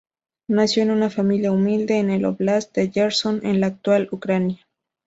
Nació en una familia humilde en el Óblast de Jersón, en la actual Ucrania.